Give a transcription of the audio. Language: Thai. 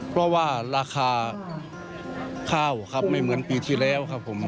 เพราะว่าราคาข้าวครับไม่เหมือนปีที่แล้วครับผม